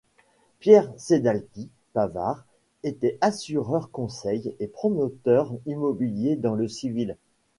Pierre Ceccaldi-Pavard était assureur conseil et promoteur immobilier dans le civil.